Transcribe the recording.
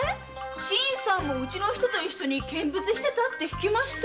新さんもうちの人と一緒に見物してたって聞きました。